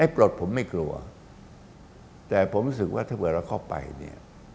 ปลดผมไม่กลัวแต่ผมรู้สึกว่าถ้าเผื่อเราเข้าไปเนี่ย